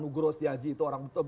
nugro setiaji itu orang